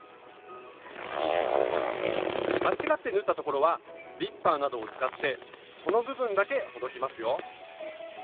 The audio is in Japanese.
間違って縫ったところはリッパーなどを使ってその部分だけほどきますよ。